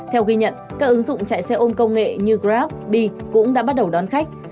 theo ghi nhận các ứng dụng chạy xe ôm công nghệ như grab bi cũng đã bắt đầu đón khách